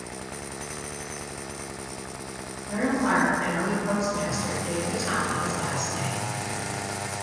Hiram Clark, an early postmaster, gave the town his last name.